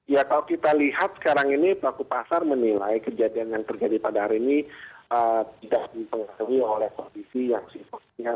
ya kalau kita lihat sekarang ini pelaku pasar menilai kejadian yang terjadi pada hari ini tidak dipengaruhi oleh kondisi yang sifatnya